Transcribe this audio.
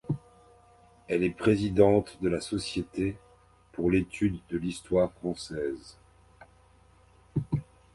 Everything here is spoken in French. Elle est présidente de la Société pour l'Étude de l'Histoire française.